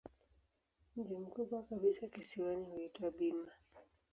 Mji mkubwa kabisa kisiwani huitwa Bima.